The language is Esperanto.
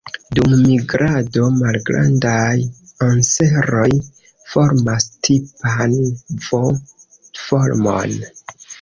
Dum migrado, Malgrandaj anseroj formas tipan V-formon.